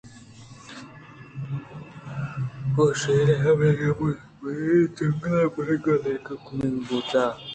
ءُشیر ءَ را ہمائی ءِ بُن ءُ بیہی جَنگل ءَ برگ ءُ یلہ کنگ بُوت